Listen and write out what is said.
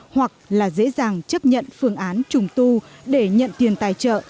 hoặc là dễ dàng chấp nhận phương án trùng tu để nhận tiền tài trợ